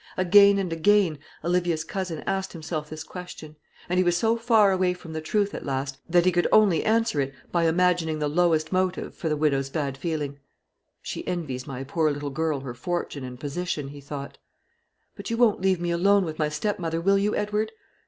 Again and again Olivia's cousin asked himself this question; and he was so far away from the truth at last, that he could only answer it by imagining the lowest motive for the widow's bad feeling. "She envies my poor little girl her fortune and position," he thought. "But you won't leave me alone with my stepmother, will you, Edward?"